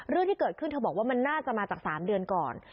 เรื่องที่เกิดขึ้นเธอบอกว่ามันน่าจะมาจาก๓เดือนก่อน